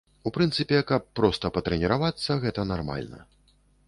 У прынцыпе, каб проста патрэніравацца, гэта нармальна.